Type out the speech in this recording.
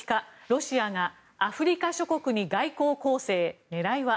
ロシアがアフリカ諸国に外交攻勢、狙いは。